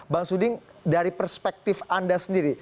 bang suding dari perspektif anda sendiri